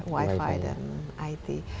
wifi dan it